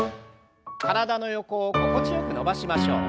体の横を心地よく伸ばしましょう。